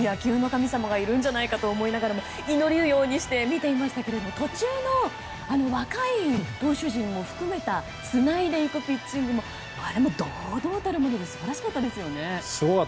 野球の神様がいるんじゃないかと思いながらも祈るようにして見ていましたが途中の若い投手陣も含めたつないでいくピッチングも堂々たるものですごかったですね。